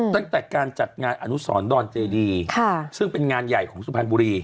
ตั้งแต่การจัดงานอนุสรดอนเจดีซึ่งเป็นงานใหญ่ของสุพรรณบุรี